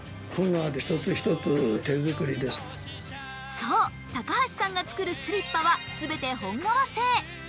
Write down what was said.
そう高橋さんが作るスリッパは全て本革製。